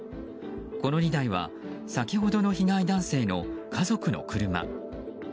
この２台は先ほどの被害男性の家族の車。